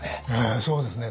そうですね。